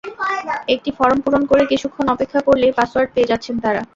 একটি ফরম পূরণ করে কিছুক্ষণ অপেক্ষা করলেই পাসওয়ার্ড পেয়ে যাচ্ছেন তাঁরা।